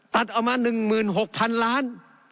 ตัดเอามา๑๖๐๐๐ล้าน